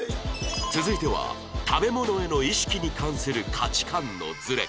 続いては食べ物への意識に関する価値観のズレ